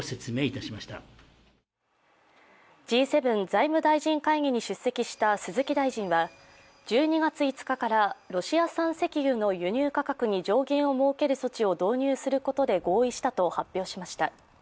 Ｇ７財務大臣会議に出席した鈴木大臣は１２月５日からロシア産石油の輸入価格に上限を設ける措置を導入することで合意したと発表しました。